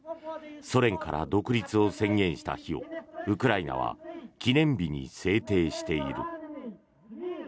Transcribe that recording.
ソ連から独立を宣言した日をウクライナは記念日に制定している。